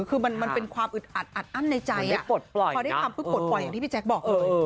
คือมันเป็นความอึดอัดในใจอ่ะจงได้มืดปล่อยอย่างที่พี่แจ๊กบอกเลย